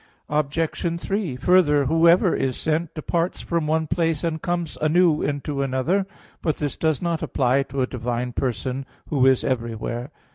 Obj. 3: Further, whoever is sent, departs from one place and comes anew into another. But this does not apply to a divine person, Who is everywhere.